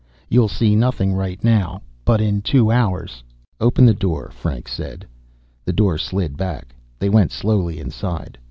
You'll see nothing right now, but in two hours " "Open the door," Franks said. The door slid back. They went slowly inside.